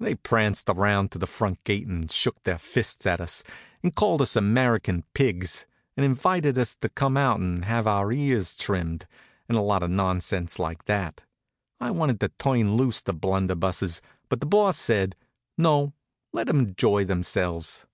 They pranced around to the front gate and shook their fists at us, and called us American pigs, and invited us to come out and have our ears trimmed, and a lot of nonsense like that. I wanted to turn loose the blunderbusses, but the Boss said: "No, let 'em enjoy themselves."